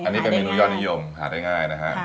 อันนี้เป็นเมนูยอดนิยมหาได้ง่ายนะฮะ